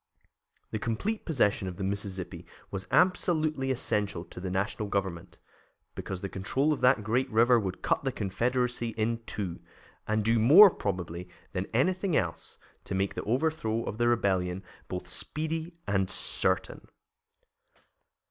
The complete possession of the Mississippi was absolutely essential to the National Government, because the control of that great river would cut the Confederacy in two, and do more, probably, than anything else, to make the overthrow of the Rebellion both speedy and certain.